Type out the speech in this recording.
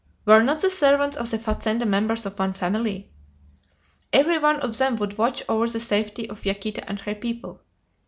Were not the servants of the fazenda members of one family? Every one of them would watch over the safety of Yaquita and her people!